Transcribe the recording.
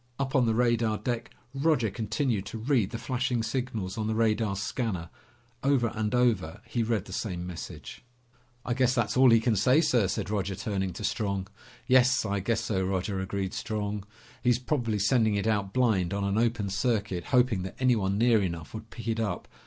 Up on the radar deck, Roger continued to read the flashing signals on the radar scanner. Over and over, he read the same message. "I guess that's all he can say, sir," said Roger, turning to Strong. "Yes, I guess so, Roger," agreed Strong. "He's probably sending it out blind, on an open circuit, hoping that anyone near enough would pick it up.